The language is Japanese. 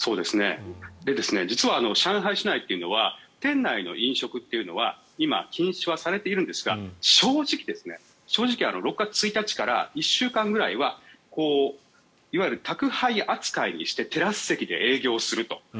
実は上海市内というのは店内の飲食というのは今、禁止はされているんですが正直６月１日から１週間くらいはいわゆる宅配扱いにしてテラス席で営業すると。